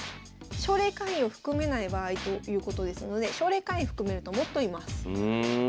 奨励会員を含めない場合ということですので奨励会員含めるともっといます。